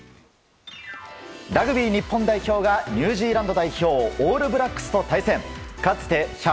ラグビー日本代表がニュージーランド代表オールブラックスと対戦。